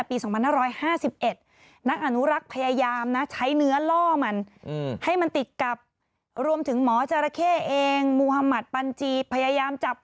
กล้องไปทำกระเป๋าเลยจบ